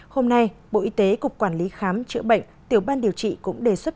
hôm nay bộ y tế cục quản lý khám chữa bệnh tiểu ban điều trị cũng đề xuất